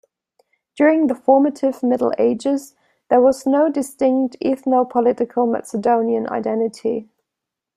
During the formative Middle Ages, there was no distinct ethno-political Macedonian identity.